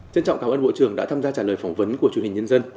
trân trọng cảm ơn bộ trưởng đã tham gia trả lời phỏng vấn của truyền hình nhân dân